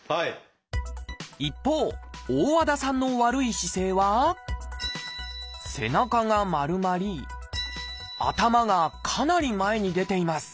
一方大和田さんの悪い姿勢は背中が丸まり頭がかなり前に出ています